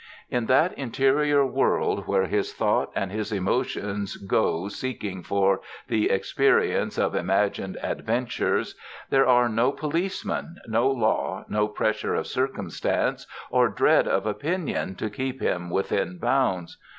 In that interior world where his thought and his emotions go seeking for the experience of imagined adventures, there are no policemen, no law, no pressure of circumstance or dread of opinion to keep him within bounds.